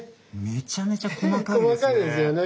めちゃめちゃ細かいですね。